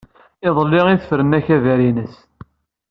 Iḍelli i tefren akabar-ines.